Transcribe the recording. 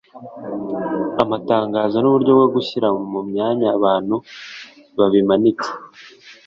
amatangazo n’ uburyo bwo gushyira mu myanya abantu babimanitse